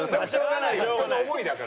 人の思いだから。